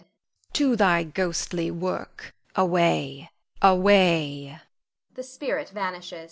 _ To thy ghostly work away away!